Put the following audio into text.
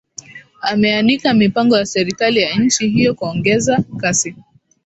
ameanika mipango ya serikali ya nchi hiyo kuongeza kasi